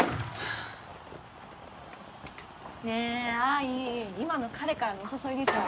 ねえ、あい今の彼からのお誘いでしょ？